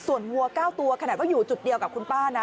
ส่วนวัว๙ตัวขนาดว่าอยู่จุดเดียวกับคุณป้านะ